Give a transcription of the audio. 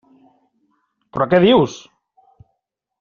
Però, què dius?